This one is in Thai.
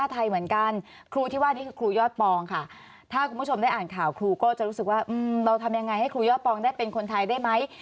ถ้าครูยอดปองค่ะถ้าคุณผู้ชมได้อ่านข่าวครูก็จะรู้สึกว่าเราทำยังไงให้ครูยอดปองได้เป็นคนไทยได้ไหม